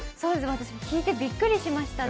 聞いてびっくりしましたね。